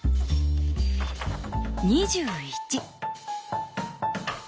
「２１」。